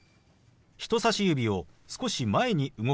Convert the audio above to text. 人さし指を少し前に動かします。